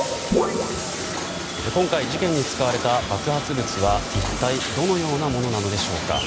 今回、事件に使われた爆発物は一体どのようなものなのでしょうか。